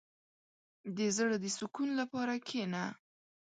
• د زړۀ د سکون لپاره کښېنه.